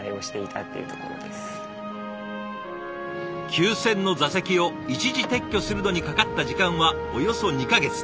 ９，０００の座席を一時撤去するのにかかった時間はおよそ２か月。